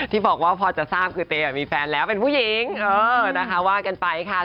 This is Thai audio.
ที่บอกว่าพอจะทราบคือเต้มีแฟนแล้วเป็นผู้หญิงนะคะว่ากันไปค่ะ